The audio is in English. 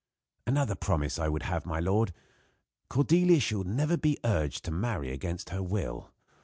"Another promise I would have, my lord; Cordelia shall never be urged to marry against her will.